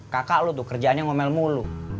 kakak lu tuh kerjaannya ngomel mulu